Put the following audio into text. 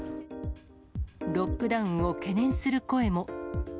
ロックダウンを懸念する声も。